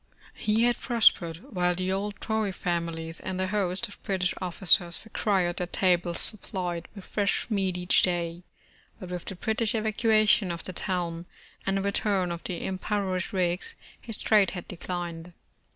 He had prospered, while the old Tory families and a host of British officers required their tables supplied with fresh meat each day, but with the British evacuation of the town, and the return of the impoverished Whigs, his trade had declined.